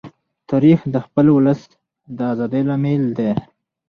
تاریخ د خپل ولس د ازادۍ لامل دی.